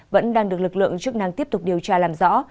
vẫn đang được lực lượng chức năng tiếp tục điều tra làm rõ